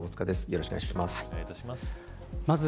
よろしくお願いします。